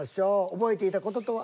覚えていた事とは？